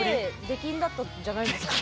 ＮＨＫ出禁だったんじゃないんですか？